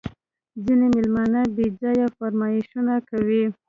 ځیني مېلمانه بېځایه فرمایشونه کوي